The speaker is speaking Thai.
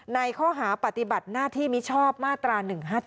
ในข้อหาปฏิบัติหน้าที่มิชอบมาตรา๑๕๗